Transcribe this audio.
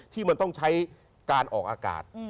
ที่มันต้องใช้การออกอากาศ